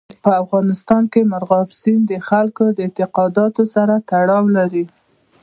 په افغانستان کې مورغاب سیند د خلکو د اعتقاداتو سره تړاو لري.